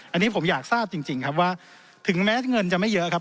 อันนี้ผมอยากทราบจริงครับว่าถึงแม้เงินจะไม่เยอะครับ